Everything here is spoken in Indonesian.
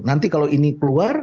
nanti kalau ini keluar